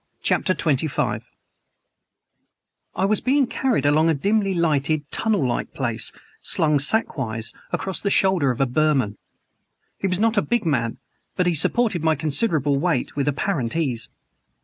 CHAPTER XXV I WAS being carried along a dimly lighted, tunnel like place, slung, sackwise, across the shoulder of a Burman. He was not a big man, but he supported my considerable weight with apparent ease.